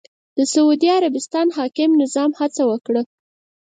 د سعودي عربستان حاکم نظام هڅه وکړه